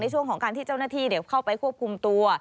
ช่วงของการที่เจ้าหน้าที่เข้าไปควบคุมตัว